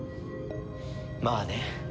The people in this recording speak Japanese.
まあね。